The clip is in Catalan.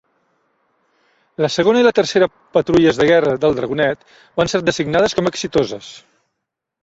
La segona i la tercera patrulles de guerra del "Dragonet" van ser designades com a "exitoses".